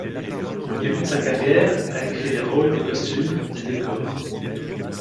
Au début de sa carrière, elle crée des rôles, des costumes, des décors.